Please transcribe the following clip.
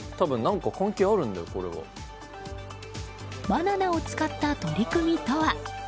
バナナを使った取り組みとは？